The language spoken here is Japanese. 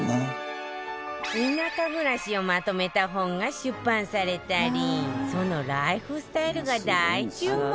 田舎暮らしをまとめた本が出版されたりそのライフスタイルが大注目